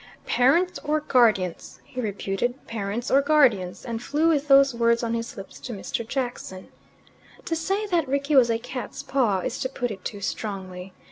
"Parents or guardians," he reputed "parents or guardians," and flew with those words on his lips to Mr. Jackson. To say that Rickie was a cat's paw is to put it too strongly.